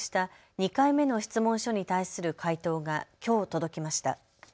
２回目の質問書に対する回答がきょう届きました。